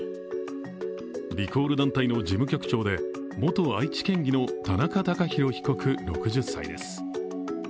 リコール団体の事務局長で元愛知県議の田中孝博被告６０歳です。